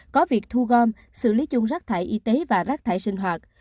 có việc thu gom xử lý chung rác thải y tế và rác thải sinh hoạt